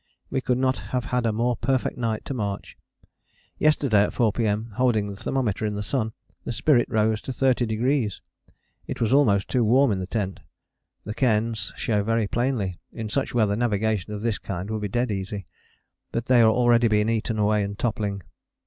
_ We could not have had a more perfect night to march. Yesterday at 4 P.M., holding the thermometer in the sun, the spirit rose to 30°: it was almost too warm in the tent. The cairns show very plainly in such weather navigation of this kind would be dead easy. But they are already being eaten away and toppling.